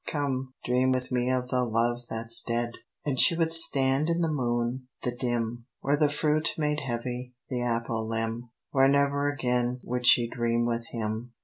Come, dream with me of the love that's dead." And she would stand in the moon, the dim, Where the fruit made heavy the apple limb, Where never again would she dream with him.